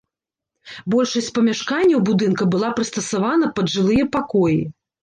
Большасць памяшканняў будынка была прыстасавана пад жылыя пакоі.